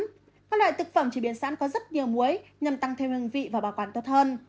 các loại thực phẩm chế biến sẵn có rất nhiều muối nhằm tăng thêm hương vị và bảo quản tốt hơn